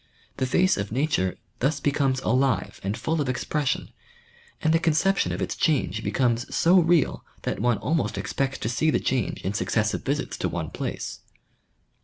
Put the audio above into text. The face of nature thus becomes alive and full of expression, and the conception of its change becomes so real that one almost expects to see the change in successive visits to one place.